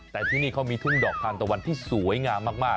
แต่ที่นี่เขามีทุ่งดอกทานตะวันที่สวยงามมาก